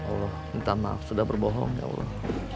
allah minta maaf sudah berbohong ya allah